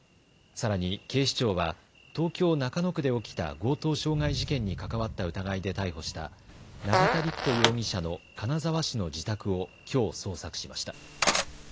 さらに警視庁は東京中野区で起きた強盗傷害事件に関わった疑いで逮捕した永田陸人容疑者の金沢市の自宅をきょう捜索しました。